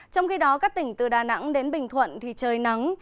trong khi đó các tỉnh từ đà nẵng đến bình thuận thì trời nắng